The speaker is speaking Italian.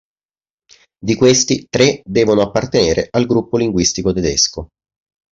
Di questi, tre devono appartenere al gruppo linguistico tedesco.